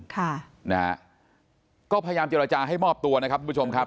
ค่ะนะฮะก็พยายามเจรจาให้มอบตัวนะครับทุกผู้ชมครับ